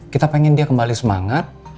kita pengen dia kembali semangat